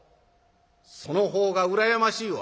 その方が羨ましいわ」。